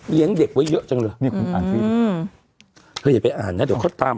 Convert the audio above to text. เด็กไว้เยอะจังเลยเนี่ยคุณอ่านฟิลอืมเธออย่าไปอ่านนะเดี๋ยวเขาตาม